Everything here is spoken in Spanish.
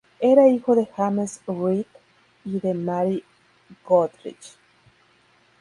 Era hijo de James Wright y de Mary Goodrich.